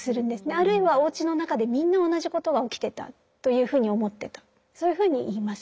あるいはおうちの中でみんな同じことが起きてたというふうに思ってたそういうふうに言います。